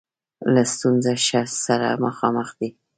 له ستونزه سره مخامخ دی.